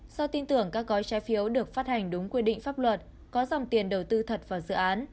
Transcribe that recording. do tin tưởng các gói trái phiếu được phát hành đúng quy định pháp luật có dòng tiền đầu tư thật vào dự án